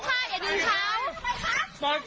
ไม่ได้มีครับ